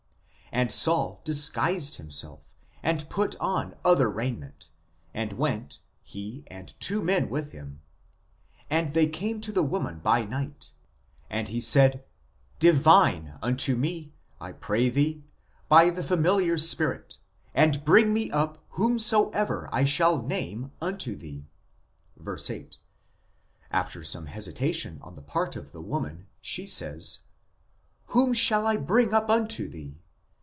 " And Saul disguised himself, and put on other raiment, and went, he and two men with him, and they came to the woman by night ; and he said, Divine unto me, I pray thee, by the familiar spirit, and bring me up whomsoever I shall name unto thee " (verse 8). After some hesitation on the part of the woman, she says : Whom shall I bring up unto thee